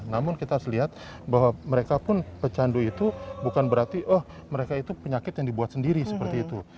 namun kita harus lihat bahwa mereka pun pecandu itu bukan berarti oh mereka itu penyakit yang dibuat sendiri seperti itu